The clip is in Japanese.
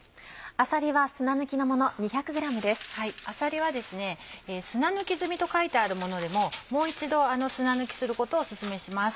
あさりは砂抜き済みと書いてあるものでももう一度砂抜きすることをお勧めします。